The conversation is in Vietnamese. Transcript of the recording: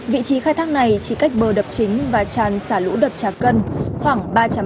vị trí khai thác này chỉ cách bờ đập chính và tràn xả lũ đập trà cân